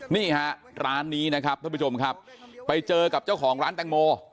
นี่ฮะร้านนี้นะครับท่านผู้ชมครับไปเจอกับเจ้าของร้านแตงโม